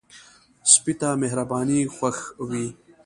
سپي ته مهرباني خوښ وي.